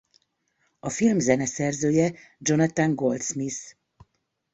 A film zeneszerzője Jonathan Goldsmith.